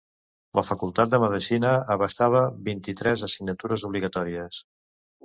La Facultat de Medicina abastava vint-i-tres assignatures obligatòries.